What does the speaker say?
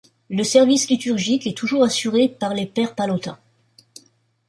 Le service liturgique est toujours assuré par les pères pallottins.